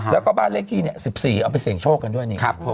แล้วก็บ้านเลขที่๑๔เอาไปเสี่ยงโชคกันด้วยนี่